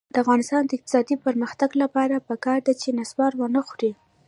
د افغانستان د اقتصادي پرمختګ لپاره پکار ده چې نصوار ونه خورئ.